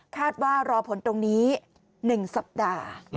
คาดว่ารอผลตรงนี้๑สัปดาห์